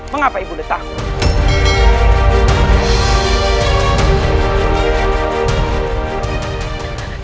mengapa ibu nanda takut